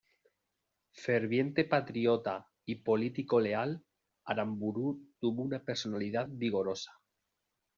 Ferviente patriota y político leal, Aramburú tuvo una personalidad vigorosa.